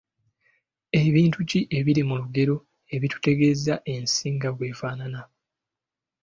Bintu ki ebiri mu lugero ebitutegeeza ensi nga bw’efaanana?